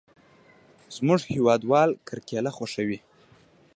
زموږ هېوادوال کرکېله خوښوي.